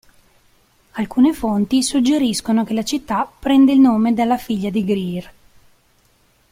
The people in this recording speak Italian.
Alcune fonti suggeriscono che la città prende il nome dalla figlia di Greer.